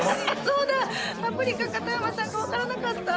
「そうだパプリカか田山さんか分からなかった」。